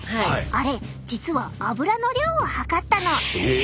あれ実はアブラの量を測ったの。え！？